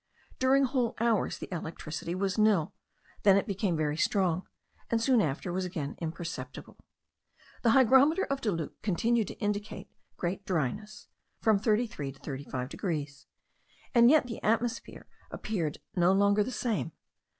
During whole hours the electricity was nil, then it became very strong, and soon after was again imperceptible. The hygrometer of Deluc continued to indicate great dryness (from 33 to 35 degrees), and yet the atmosphere appeared no longer the same.